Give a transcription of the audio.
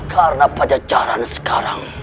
karena pajacaran sekarang